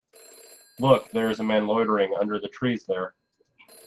Look, there is a man loitering under the trees there.